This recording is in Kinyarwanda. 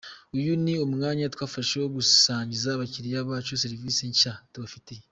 Uyu ni umwanya twafashe wo gusangiza abakiliya bacu serivisi nshya tubafitiye.’’